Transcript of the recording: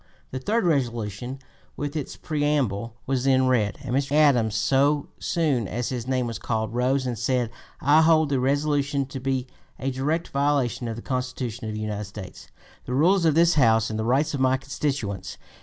The third resolution with its preamble was then read, and Mr. Adams, so soon as his name was called, rose and said: "I hold the resolution to be a direct violation of the Constitution of the United States, the rules of this House, and the rights of my constituents."